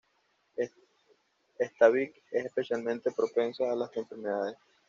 Esta vid es especialmente propensa a las enfermedades.